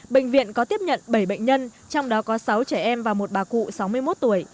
bệnh viện có tiếp nhận bảy bệnh nhân trong đó có sáu trẻ em và một bà cụ sáu mươi một tuổi